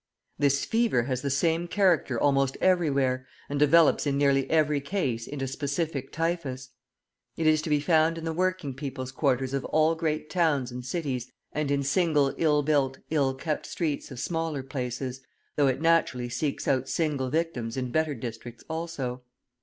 This fever has the same character almost everywhere, and develops in nearly every case into specific typhus. It is to be found in the working people's quarters of all great towns and cities, and in single ill built, ill kept streets of smaller places, though it naturally seeks out single victims in better districts also.